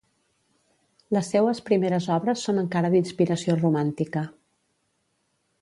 Les seues primeres obres són encara d'inspiració romàntica.